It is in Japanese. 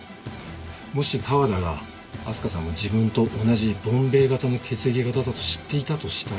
もし河田が明日香さんも自分と同じＢｏｍｂａｙ型の血液型だと知っていたとしたら。